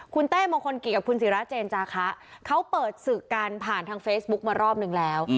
คุณเต้มงคลกิจกับคุณศิราเจนจาคะเขาเปิดศึกกันผ่านทางเฟซบุ๊กมารอบนึงแล้ว